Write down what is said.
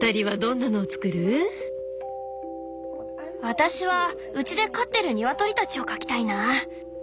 私はうちで飼ってるニワトリたちを描きたいな。